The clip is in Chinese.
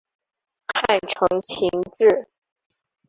汉承秦制。